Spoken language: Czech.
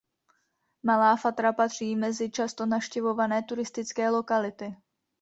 Malá Fatra patří mezi často navštěvované turistické lokality.